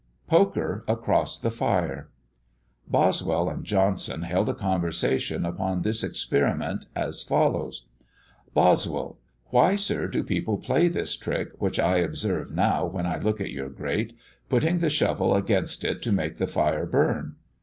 _ POKER ACROSS THE FIRE. Boswell and Johnson held a conversation upon this experiment as follows: Boswell. "Why, sir, do people play this trick, which I observe now when I look at your grate, putting the shovel against it to make the fire burn?"